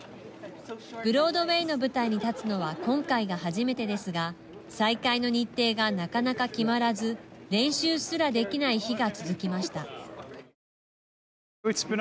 ブロードウェイの舞台に立つのは今回が初めてですが再開の日程がなかなか決まらず練習すらできない日が続きました。